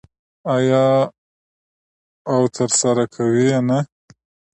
آیا او ترسره کوي یې نه؟